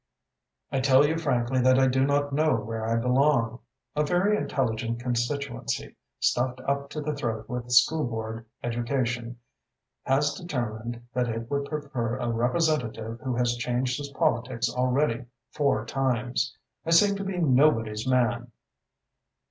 "I tell you frankly that I do not know where I belong. A very intelligent constituency, stuffed up to the throat with schoolboard education, has determined that it would prefer a representative who has changed his politics already four times. I seem to be nobody's man.